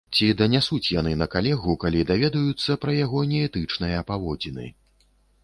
Ці данясуць яны на калегу, калі даведаюцца пра яго неэтычныя паводзіны.